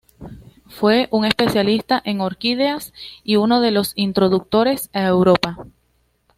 Fue un especialista en orquídeas, y uno de sus introductores a Europa.